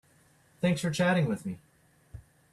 Thanks for chatting with me.